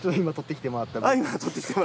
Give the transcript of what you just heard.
今採ってきてもらった。